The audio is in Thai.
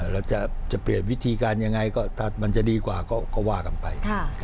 แล้วจะเปลี่ยนวิธียังไงมันจะดีกว่าก็ว่ากลับไป